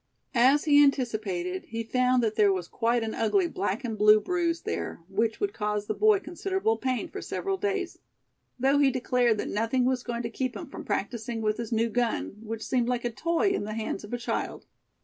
As he anticipated, he found that there was quite an ugly black and blue bruise there, which would cause the boy considerable pain for several days; though he declared that nothing was going to keep him from practicing with his new gun, which seemed like a toy in the hands of a child.